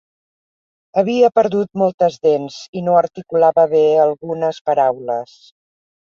Havia perdut moltes dents i no articulava bé algunes paraules.